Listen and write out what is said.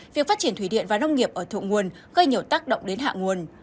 việc phát triển thủy điện và nông nghiệp ở thượng nguồn gây nhiều tác động đến hạ nguồn